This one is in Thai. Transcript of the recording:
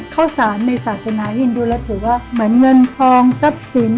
ข้าวสารในศาสนาฮินดูแล้วถือว่าเหมือนเงินทองทรัพย์สิน